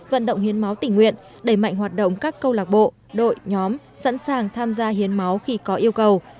vận động hiến máu tỉnh nguyện đẩy mạnh hoạt động các câu lạc bộ đội nhóm sẵn sàng tham gia hiến máu khi có yêu cầu